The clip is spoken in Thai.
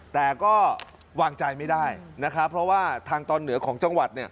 แต่ก็วางใจไม่ได้นะครับเพราะว่าทางตอนเหนือของจังหวัดเนี่ย